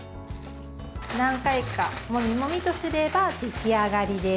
何回か、もみもみとすれば出来上がりです。